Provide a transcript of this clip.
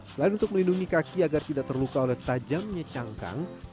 selain untuk melindungi kaki agar tidak terluka oleh tajamnya cangkang